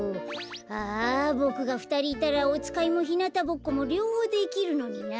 ああボクがふたりいたらおつかいもひなたぼっこもりょうほうできるのにな。